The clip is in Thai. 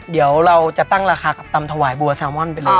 เดี๋ยวเราจะตั้งราคากับตำถวายบัวแซลมอนไปเลย